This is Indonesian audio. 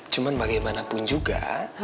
cuman bagaimanapun juga